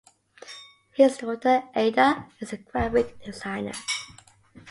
His daughter Ida is a graphic designer.